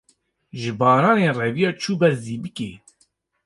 ji baranê reviya, çû ber zîpikê